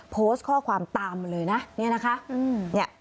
โพสต์ข้อความตามมาเลยนะเนี่ยนะคะ